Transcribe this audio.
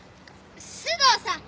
須藤さん